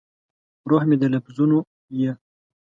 روح مې د لفظونو یې